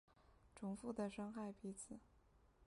重复的伤害彼此